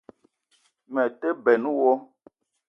Me te benn wo